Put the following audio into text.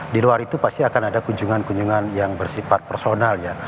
di luar itu pasti akan ada kunjungan kunjungan yang bersifat personal ya